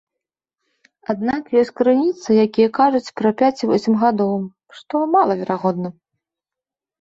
Аднак ёсць крыніцы, якія кажуць пра пяць і восем гадоў, што малаверагодна.